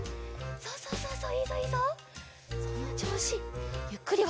そうそうそうそう。